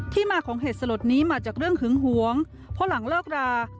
มาของเหตุสลดนี้มาจากเรื่องหึงหวงเพราะหลังเลิกรา